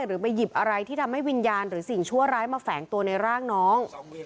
หรือไปหยิบอะไรที่ทำให้วิญญาณหรือสิ่งชั่วร้ายมาแฝงตัวในร่างน้อง